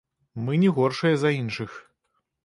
Мы не горшыя за іншых.